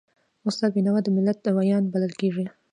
استاد بینوا د ملت ویاند بلل کېږي.